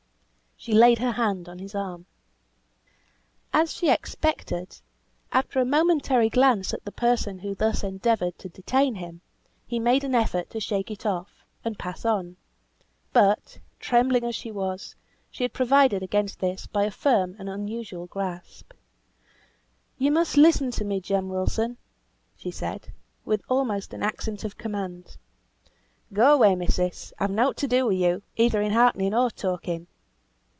She laid her hand on his arm. As she expected, after a momentary glance at the person who thus endeavoured to detain him, he made an effort to shake it off, and pass on. But trembling as she was, she had provided against this by a firm and unusual grasp. "You must listen to me, Jem Wilson," she said, with almost an accent of command. "Go away, missis; I've nought to do with you, either in hearkening, or talking."